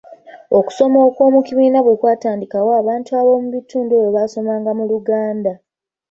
Okusoma okw'omu kibiina bwe kwatandikawo abantu ab'omu bitundu ebyo baasomanga mu Luganda.